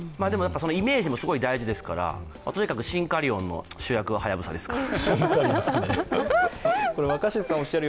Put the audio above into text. イメージもすごい大事ですから、とにかく「シンカリオン」の主役は「はやぶさ」ですから。